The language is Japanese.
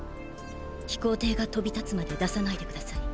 飛行艇が飛び立つまで出さないで下さい。